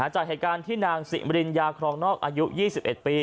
จากเหตุการณ์ที่นางสิมริญญาครองนอกอายุ๒๑ปี